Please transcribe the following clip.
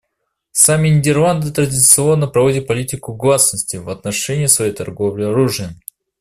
Сами Нидерланды традиционно проводят политику гласности в отношении своей торговли оружием.